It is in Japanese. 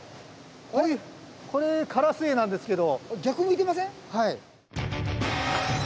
これカラスエイなんですけど。